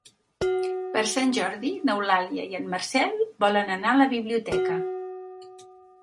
Per Sant Jordi n'Eulàlia i en Marcel volen anar a la biblioteca.